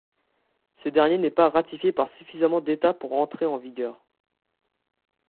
Ce dernier n'est pas ratifié par suffisamment d'États pour entrer en vigueur.